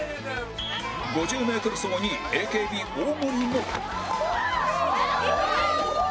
５０メートル走２位 ＡＫＢ 大盛も